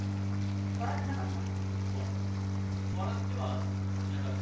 笑ってなかった？